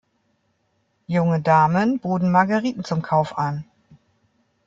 Junge Damen boten Margeriten zum Kauf an.